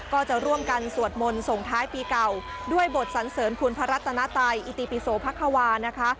ก็จะร่วมกันสวดมนต์ส่งท้ายปีเก่าด้วยบทสันเสริญคุณพระรัตนาไตอิติปิโสพักควานะคะ